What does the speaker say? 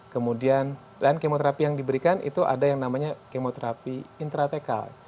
kemudian lahan kemoterapi yang diberikan itu ada yang namanya kemoterapi intratekal